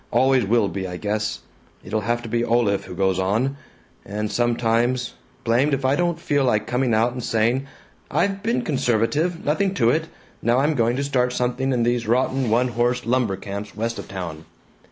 Always will be, I guess. It'll have to be Olaf who goes on. 'And sometimes Blamed if I don't feel like coming out and saying, 'I've been conservative. Nothing to it. Now I'm going to start something in these rotten one horse lumber camps west of town.'